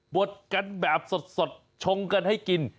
ดกันแบบสดชงกันให้กิน